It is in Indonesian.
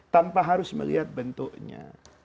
tanpa harus melihat bentuknya